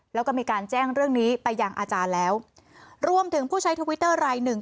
แล้วก็มีการแจ้งเรื่องนี้ไปยังอาจารย์แล้วรวมถึงผู้ใช้ทวิตเตอร์รายหนึ่ง